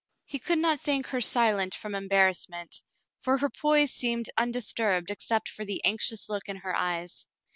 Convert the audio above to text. He could not think her silent from embarrassment, for her poise seemed undisturbed except for the anxious look in her eyes.